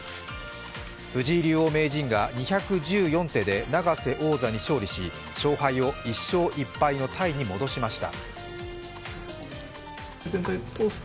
藤井竜王名人が２１４手で永瀬王座に見事勝利し勝敗を１勝１敗のタイに戻しました。